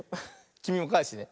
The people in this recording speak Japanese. きみもかえしてね。